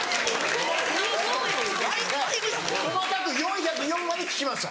細かく４０４まで聞きました。